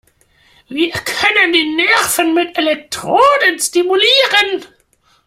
Wir können die Nerven mit Elektroden stimulieren.